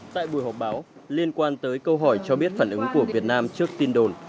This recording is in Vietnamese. tại buổi họp báo liên quan tới câu hỏi cho biết phản ứng của việt nam trước tin đồn